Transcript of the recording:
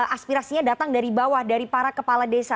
aspirasinya datang dari bawah dari para kepala desa